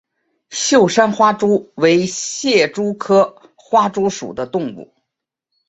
秀山花蛛为蟹蛛科花蛛属的动物。